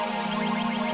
sampai jumpa lagi